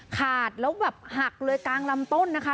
ขาดแล้วแบบหักเลยกลางลำต้นนะคะ